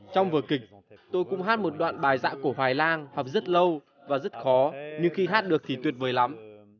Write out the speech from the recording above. trong vừa kịch tôi cũng hát một đoạn bài dạ của hoài lan học rất lâu và rất khó nhưng khi hát được thì tuyệt vời lắm